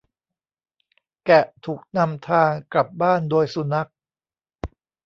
แกะถูกนำทางกลับบ้านโดยสุนัข